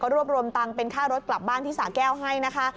รวบรวมตังค์เป็นค่ารถกลับบ้านที่สาแก้วให้นะคะ